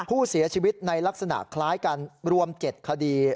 ผู้เสียชีวิตในลักษณะคล้ายกันรวม๗คดี